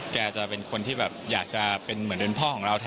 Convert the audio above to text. แกจะเป็นคนที่อยากเป็นเปิดพ่อของเราแทน